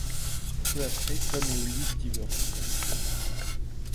Peu après Tom et Olive divorcent...